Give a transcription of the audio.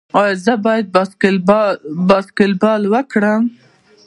ایا زه باید باسکیټبال وکړم؟